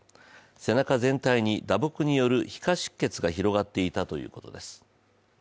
背中全体に打撲による皮下出血が広がっていたということです。